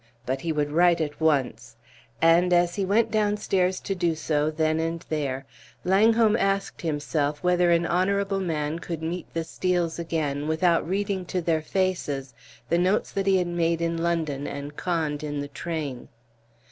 But he would write at once. And, as he went downstairs to do so then and there, Langholm asked himself whether an honorable man could meet the Steels again without reading to their faces the notes that he had made in London and conned in the train.